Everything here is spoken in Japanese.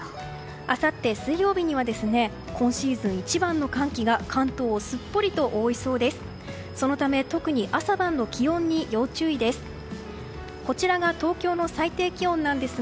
あさって水曜日には今シーズン一番の寒気が関東をすっぽりと覆いそうです。